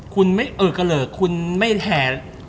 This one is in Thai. คุณไม่เอิกเขลงคุณไม่แถ